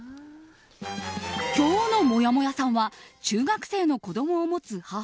今日のもやもやさんは中学生の子供を持つ母。